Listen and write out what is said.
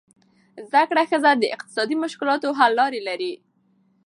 زده کړه ښځه د اقتصادي مشکلاتو حل لارې لري.